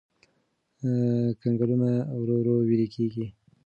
کنګلونه ورو ورو ويلي کېږي.